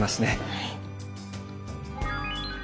はい。